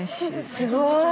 すごい。